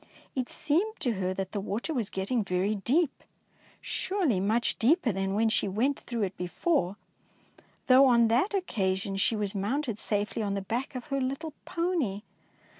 It seemed to her that the water was getting very deep, surely much deeper than when she went through it before, though on that occasion she was mounted safely on the back of her little pony.